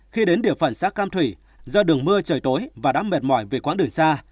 khi đến địa phận xã cam thủy do đường mưa trời tối và đã mệt mỏi về quãng đường xa